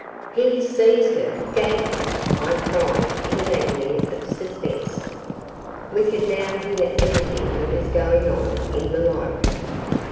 "He has seized her gagged her," I cried in an agony of suspense. We could now hear everything that was going on in the library.